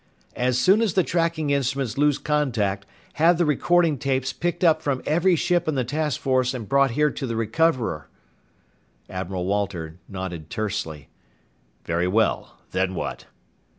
"As soon as the tracking instruments lose contact, have the recording tapes picked up from every ship in the task force and brought here to the Recoverer." Admiral Walter nodded tersely. "Very well. Then what?"